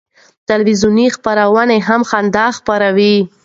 تلویزیوني خپرونه هم خندا خپروي.